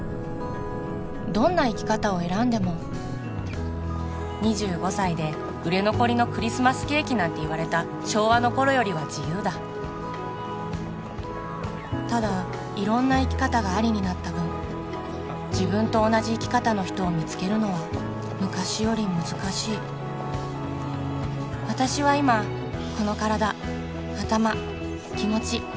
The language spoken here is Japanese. どんな生き方を選んでも２５歳で売れ残りのクリスマスケーキなんていわれた昭和の頃よりは自由だただ色んな生き方がありになった分自分と同じ生き方の人を見つけるのは昔より難しい私は今この体頭気持ち